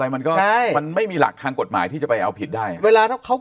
มันก็ใช่มันไม่มีหลักทางกฎหมายที่จะไปเอาผิดได้เวลาถ้าเขา